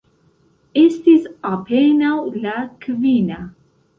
Estis apenaŭ la kvina.